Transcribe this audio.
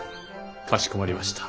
かしこまりました。